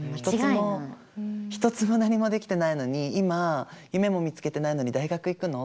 一つも何もできてないのに今夢も見つけてないのに大学行くの？